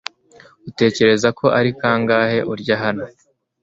utekereza ko ari kangahe urya hano